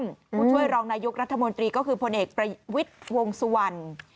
ผู้ช่วยรองนายกรัฐมนตรีก็คือพลเอกประวิทย์วงสุวรรณ